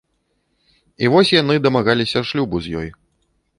І вось яны дамагаліся шлюбу з ёй.